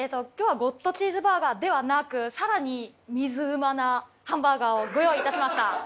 今日はゴッドチーズバーガーではなく更に水うまなハンバーガーをご用意いたしました。